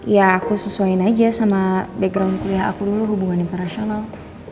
ya aku sesuaiin aja sama background kuliah aku dulu hubungan internasional